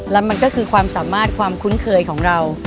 แล้วมันก็คือความสามารถความคุ้นเคยของเรา